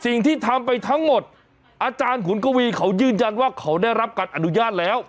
สิ่งที่ทำไปทั้งหมดอาจารย์ขุนกวีเขายืนยันว่าเขาได้รับการอนุญาตแล้ว